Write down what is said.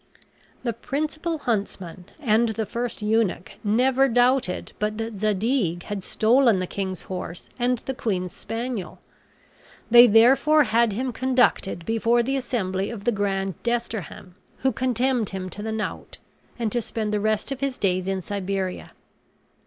The principal huntsman and the first eunuch never doubted but that Zadig had stolen the king's horse and the queen's spaniel. They therefore had him conducted before the assembly of the grand desterham, who condemned him to the knout, and to spend the rest of his days in Siberia.